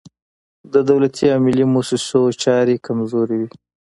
د دولتي او ملي موسسو چارې کمزورې وي.